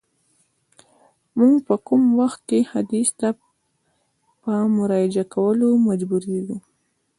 موږ په کوم وخت کي حدیث ته په مراجعه کولو مجبوریږو؟